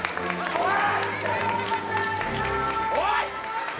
おい！